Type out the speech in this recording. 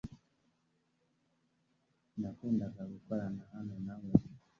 Nakundaga gukorana hano nawe .